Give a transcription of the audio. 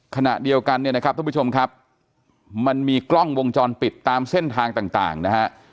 ขณะเดียวกันเนี่ยนะครับทุกผู้ชมครับมันมีกล้องวงจรปิดตามเส้นทางต่างนะฮะ